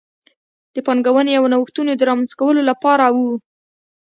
د پانګونې او نوښتونو د رامنځته کولو لپاره و.